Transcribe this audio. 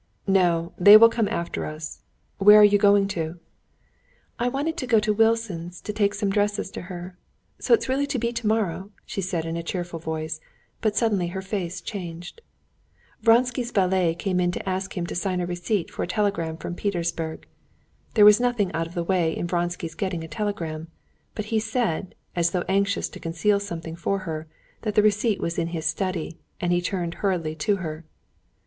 "No, they will come after us. Where are you going to?" "I wanted to go to Wilson's to take some dresses to her. So it's really to be tomorrow?" she said in a cheerful voice; but suddenly her face changed. Vronsky's valet came in to ask him to sign a receipt for a telegram from Petersburg. There was nothing out of the way in Vronsky's getting a telegram, but he said, as though anxious to conceal something from her, that the receipt was in his study, and he turned hurriedly to her.